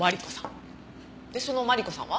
でそのマリコさんは？